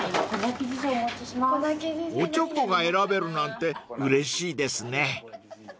［おちょこが選べるなんてうれしいですね］